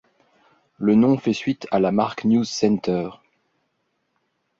Le nom fait suite à la marque NewsCenter.